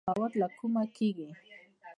د ودانیو مواد له کومه کیږي؟